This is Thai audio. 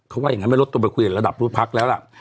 เขาว่าอย่างนั้นไม่ลดตัวไปคุยกับระดับลูกพักแล้วล่ะ